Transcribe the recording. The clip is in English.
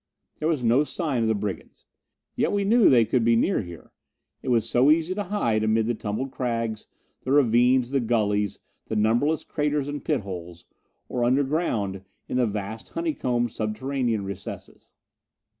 There was no sign of the brigands. Yet we knew they could be near here it was so easy to hide amid the tumbled crags, the ravines, the gullies, the numberless craters and pit holes: or underground in the vast honeycombed subterranean recesses.